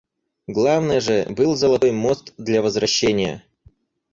Главное же — был золотой мост для возвращения.